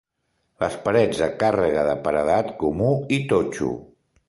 Les parets de càrrega de paredat comú i totxo.